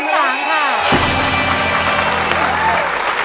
๓ครับ